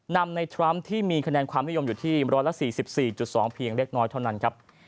นำในทรัมป์ที่มีคะแนนความนิยมอยู่ที่๑๔๔๒เพียงเล็กน้อยเท่านั้นครับ